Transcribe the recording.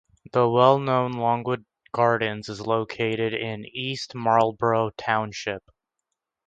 The well-known Longwood Gardens is located in East Marlborough Township.